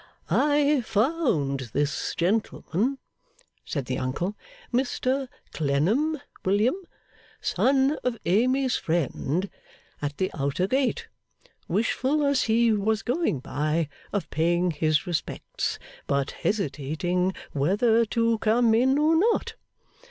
'I found this gentleman,' said the uncle 'Mr Clennam, William, son of Amy's friend at the outer gate, wishful, as he was going by, of paying his respects, but hesitating whether to come in or not.